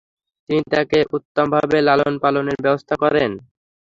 তিনি তাকে উত্তমভাবে লালন-পালনের ব্যবস্থা করেন।